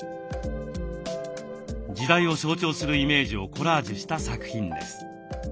時代を象徴するイメージをコラージュした作品です。